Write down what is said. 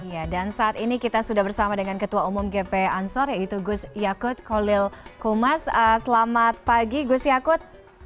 ya dan saat ini kita sudah bersama dengan ketua umum gp ansor yaitu gus yakut kolil kumas selamat pagi gus yakut